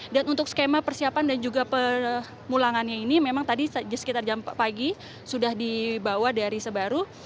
dan untuk skema persiapan dan juga pemulangannya ini memang tadi sekitar jam pagi sudah dibawa dari sebaru